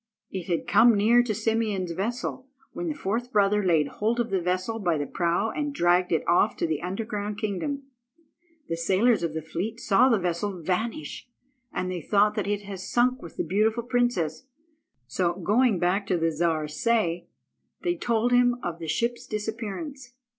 It had come near to Simeon's vessel, when the fourth brother laid hold of the vessel by the prow and dragged it off to the underground kingdom. The sailors of the fleet saw the vessel vanish, and they thought that it had sunk with the beautiful princess; so, going back to the Czar Say, they told him of the ship's disappearance.